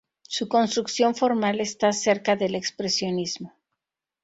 Su construcción formal está cerca del expresionismo.